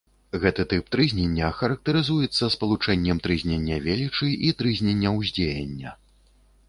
Гэты тып трызнення характарызуецца спалучэннем трызнення велічы і трызнення ўздзеяння.